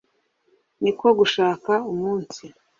ni ko gushaka umunsi